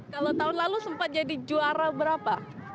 kalau tahun lalu sempat jadi juara berapa